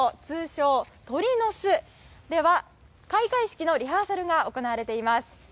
通称、鳥の巣では開会式のリハーサルが行われています。